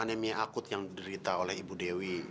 anemia akut yang diderita oleh ibu dewi